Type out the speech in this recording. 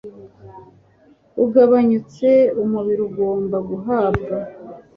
ugabanyutse umubiri ugomba guhabwa